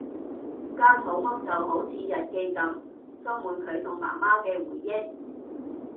間好屋就好似日記噉，充滿佢同媽媽嘅回憶